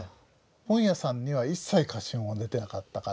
本屋さんには一切貸本は出てなかったから。